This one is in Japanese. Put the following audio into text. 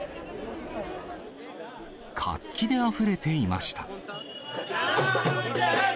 活気であふれていました。